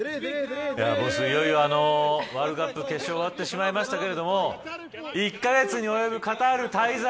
ボス、いよいよワールドカップ決勝、終わってしまいましたけれども１カ月およぶカタール滞在